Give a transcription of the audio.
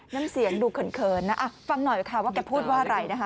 น้ำเสียงดูเขินนะฟังหน่อยค่ะว่าแกพูดว่าอะไรนะคะ